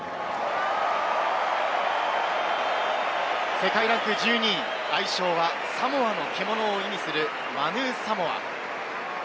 世界ランク１２位、愛称はサモアの獣を意味するマヌ・サモア。